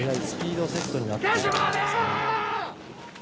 スピードセットになってますね。